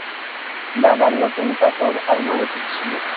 বাবার নতুন কাপড় আলমারিতে ছিলো।